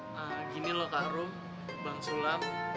nah gini loh kak rum bang sulam